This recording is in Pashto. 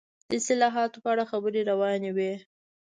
د اصلاحاتو په اړه خبرې روانې وې.